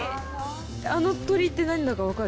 あの鳥って何だか分かる？